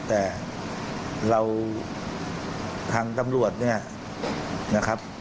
แต่เราทางตำรวจ